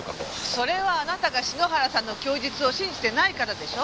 それはあなたが篠原さんの供述を信じてないからでしょ。